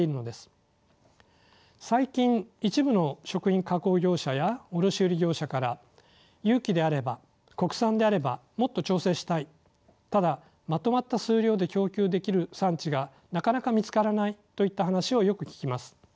最近一部の食品加工業者や卸売業者から有機であれば国産であればもっと調整したいただまとまった数量で供給できる産地がなかなか見つからないといった話をよく聞きます。